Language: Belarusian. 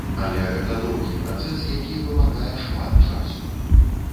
Але гэта доўгі працэс, які вымагае шмат часу.